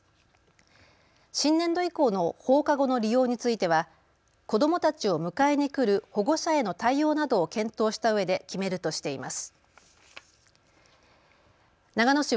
新年度以降の放課後の利用については子どもたちを迎えに来る保護者への対応などを検討したうえで決めるとしています。